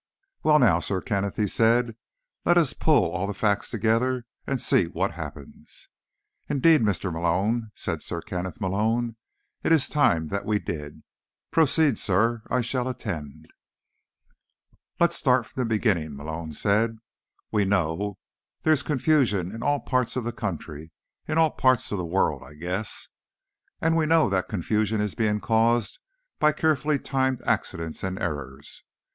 "Well, now, Sir Kenneth," he said. "Let's pull all the facts together and see what happens." "Indeed, Mr. Malone," said Sir Kenneth Malone, "it is time that we did. Proceed, Sirrah. I shall attend." "Let's start from the beginning," Malone said. "We know there's confusion in all parts of the country, in all parts of the world, I guess. And we know that confusion is being caused by carefully timed accidents and errors.